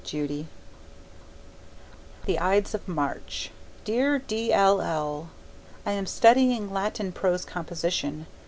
Judy The Ides of March Dear D. L. L., I am studying Latin prose composition.